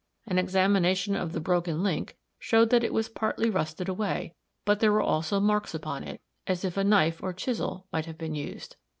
An examination of the broken link showed that it was partly rusted away; but there were also marks upon it, as if a knife or chisel might have been used.